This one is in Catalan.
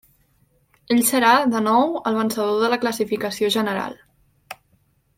Ell serà, de nou el vencedor de la classificació general.